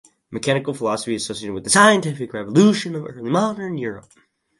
Mechanical philosophy is associated with the scientific revolution of Early Modern Europe.